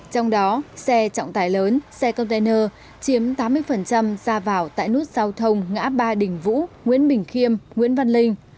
trong đó xe trọng tài lớn xe container chiếm tám mươi ra vào tại nút giao thông ngã ba đình vũ nguyễn bình khiêm nguyễn văn linh